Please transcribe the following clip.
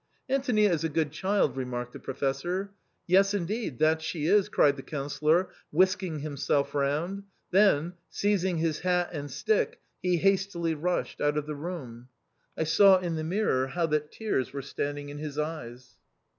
" Antonia is a good child/* remarked the Professor. "Yes, indeed, that she is," cried the Councillor, whisking himself round ; then, seizing his hat and stick, he hastily rushed out of the room. I saw in the mirror how that tears were stand ing in his eyes.